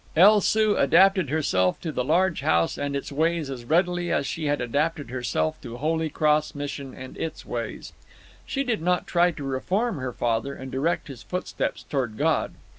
El Soo adapted herself to the large house and its ways as readily as she had adapted herself to Holy Cross Mission and its ways. She did not try to reform her father and direct his footsteps toward God.